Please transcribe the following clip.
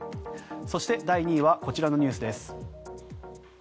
そして第２位はこちらのニュースです。